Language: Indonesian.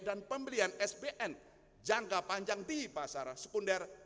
dan pembelian sbn jangka panjang di pasar sekunder